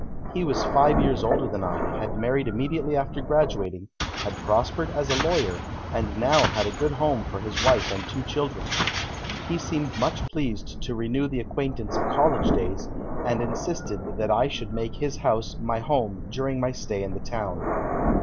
He was five years older than I, had married immediately after graduating, had prospered as a lawyer, and now had a good home for his wife and two children. He seemed much pleased to renew the acquaintance of college days, and insisted that I should make his house my home during my stay in the town.